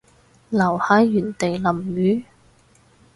留喺原地淋雨